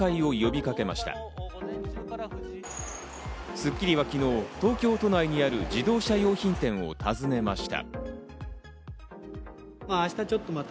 『スッキリ』は昨日、東京都内にある自動車用品店を訪ねました。